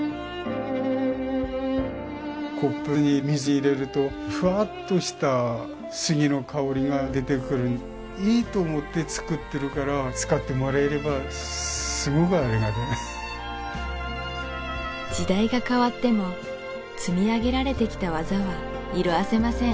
コップに水入れるとふわっとした杉の香りが出てくるいいと思ってつくってるから使ってもらえればすごくありがたい時代が変わっても積み上げられてきた技は色あせません